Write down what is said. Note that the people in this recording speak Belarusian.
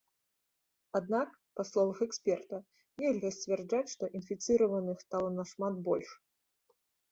Аднак, па словах эксперта, нельга сцвярджаць, што інфіцыраваных стала нашмат больш.